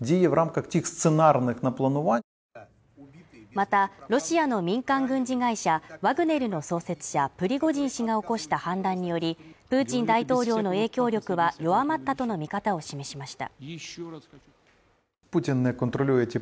また、ロシアの民間軍事会社ワグネルの創設者プリゴジン氏が起こした反乱により、プーチン大統領の影響力は弱まったとの見方を示しました。